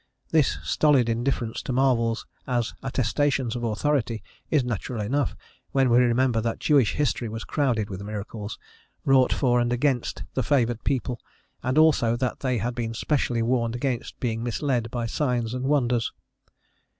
This stolid indifference to marvels as attestations of authority is natural enough, when we remember that Jewish history was crowded with miracles, wrought for and against the favoured people, and also that they had been specially warned against being misled by signs and wonders.